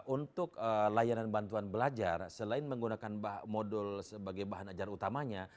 untuk layanan bantuan belajar selain menggunakan modul sebagai bahan ajar utamanya